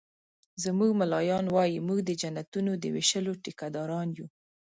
زموږ ملایان وایي مونږ د جنتونو د ویشلو ټيکه داران یو